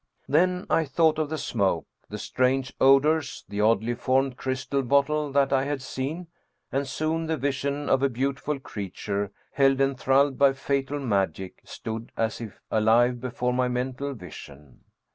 Then I thought of the smoke, the strange odors, the oddly formed crystal bottle that I had seen, and soon the vision of a beautiful crea ture held enthralled by fatal magic stood as if alive before my mental vision.